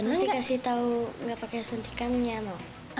pasti kasih tahu nggak pakai suntikan ya no